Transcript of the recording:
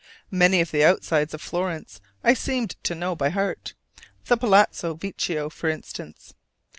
Many of the outsides of Florence I seemed to know by heart the Palazzo Vecchio for instance.